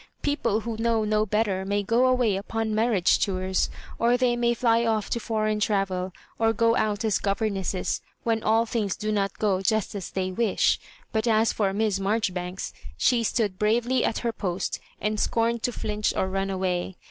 People who know no better may go away upon marriage tours, or they may fly off to foreign travel, or go out as governesses, ^hen all things do not go just as they wish. But as for Miss Marjoribanks, she stood bravely at her post, and scorned to flinch or run away.